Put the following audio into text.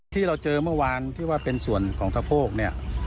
ที่เราเจอเมื่อวานที่ว่าเป็นส่วนของสะโพกเนี่ย